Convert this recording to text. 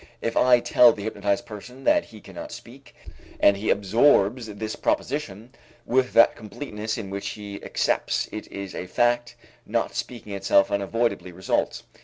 If I tell the hypnotized person that he cannot speak and he absorbs this proposition, with that completeness in which he accepts it as a fact, not speaking itself unavoidably results.